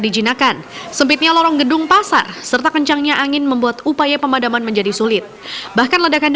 jangan jangan jangan